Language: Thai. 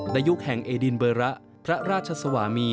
ยุคแห่งเอดินเบอระพระราชสวามี